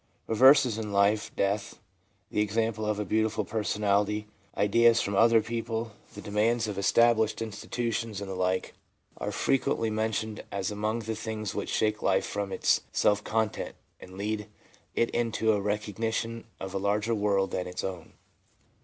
Reverses in life, death, the example of a beautiful personality, ideas from other people, the demands of established institutions, and the like, are frequently io6 THE PSYCHOLOGY OF RELIGION mentioned as among the things which shake life from its self content, and lead it into a recognition of a larger world than its own.